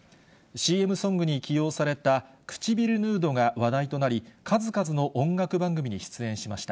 ＣＭソングに起用されたくちびるヌードが話題となり、数々の音楽番組に出演しました。